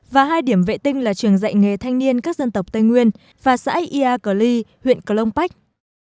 và hai điểm vệ tinh là trường dạy nghề thanh niên các dân tộc tây nguyên và xã ia cờ ly huyện cờ lông bách